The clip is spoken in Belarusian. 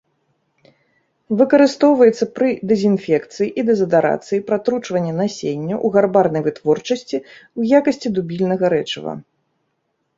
Выкарыстоўваецца пры дэзінфекцыі і дэзадарацыі, пратручвання насення, у гарбарнай вытворчасці ў якасці дубільнага рэчыва.